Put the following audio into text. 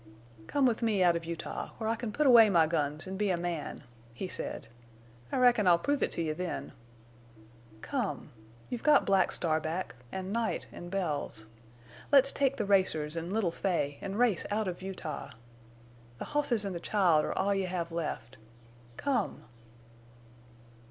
"Come with me out of Utah—where I can put away my guns an' be a man," he said. "I reckon I'll prove it to you then! Come! You've got Black Star back, an' Night an' Bells. Let's take the racers an' little Fay, en' race out of Utah. The hosses an' the child are all you have left. Come!"